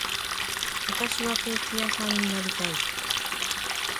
私はケーキ屋さんになりたい